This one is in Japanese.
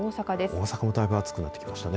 大阪もだいぶ暑くなってきましたね。